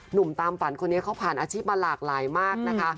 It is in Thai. หนุ่มตามฝันคนนี้เขาผ่านอาชีพมาหลากหลายมากนะคะ